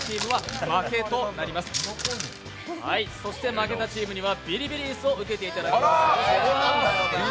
負けたチームにはビリビリ椅子を受けていただきます。